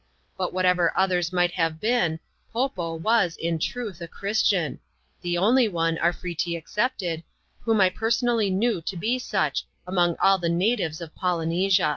But whatever others might have been, Po Po was, in truth, a Christian : the only one, Arfretee excepted, whom I personally knew to be sudi, among all the natives of Polynesia.